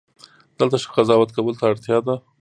دلته ښه قضاوت کولو ته اړتیا ده.